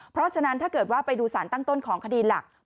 เพราะฉะนั้นถ้าเกิดว่าไปดูสารตั้งต้นของคดีหลัก